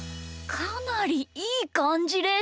かなりいいかんじです！